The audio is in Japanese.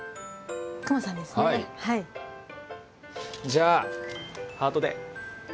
じゃあハートで。